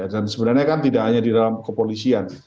dan sebenarnya kan tidak hanya di dalam kepolisian